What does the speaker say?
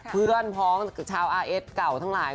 เพื่อนพ้องชาวอาเอสเก่าทั้งหลาย